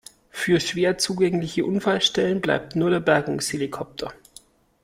Für schwer zugängliche Unfallstellen bleibt nur der Bergungshelikopter.